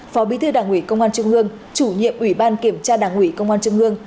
phó bí thư đảng ủy công an trung ương chủ nhiệm ủy ban kiểm tra đảng ủy công an trung ương